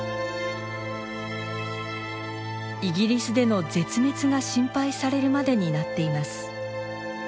イギリスでの絶滅が心配されるまでになっています。